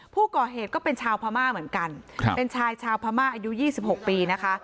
ผู้ก่อเหตุก็เป็นชาวพม่าเหมือนกันเป็นชายชาวพม่าอายุ๒๖ปีนะคะ